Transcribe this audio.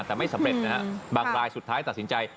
แต่ไม่สำเร็จนะฮะบางรายสุดท้ายตัดสินใจ